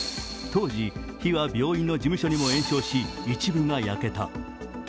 当時、火は病院の事務所にも延焼し一部が焼けた。